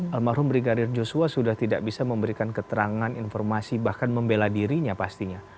almarhum brigadir joshua sudah tidak bisa memberikan keterangan informasi bahkan membela dirinya pastinya